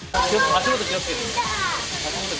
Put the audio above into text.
足元気をつけて。